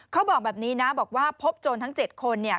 เขาบอกแบบนี้นะบอกว่าพบโจรทั้ง๗คนเนี่ย